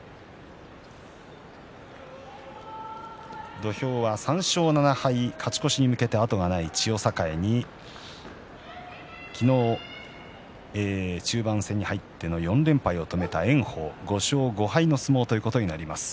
土俵は３勝７敗、勝ち越しに向けて後がない千代栄昨日、終盤戦に入って４連敗を止めた炎鵬は５勝５敗の相撲ということになります。